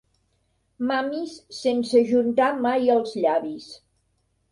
Mamis sense ajuntar mai els llavis.